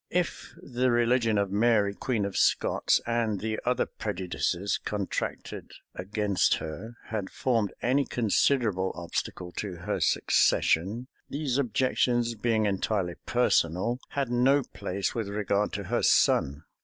If the religion of Mary queen of Scots, and the other prejudices contracted against her, had formed any considerable obstacle to her succession, these objections, being entirely personal, had no place with regard to her son.